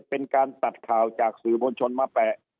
เป็นการตัดข่าวจากสื่อมวลชนมาแปะ